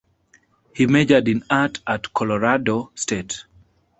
He majored in art at Colorado State.